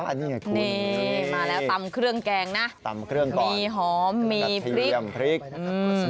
อันนี้ไงคุณนี่มาแล้วตำเครื่องแกงนะมีหอมมีพริกตำเครื่องก่อน